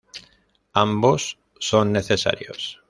Ambos son necesarios.